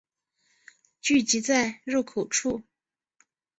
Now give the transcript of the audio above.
聚集在入口处